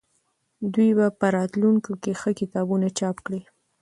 دوی به په راتلونکي کې ښه کتابونه چاپ کړي.